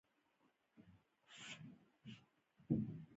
پوستې سوځول سوي دي.